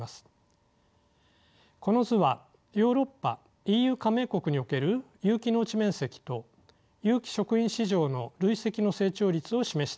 この図はヨーロッパＥＵ加盟国における有機農地面積と有機食品市場の累積の成長率を示しています。